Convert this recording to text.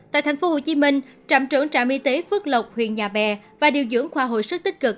tại tp hcm trạm trưởng trạm y tế phước lộc huyện nhà bè và điều dưỡng khoa hồi sức tích cực